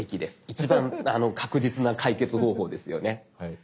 一番確実な解決方法ですよね。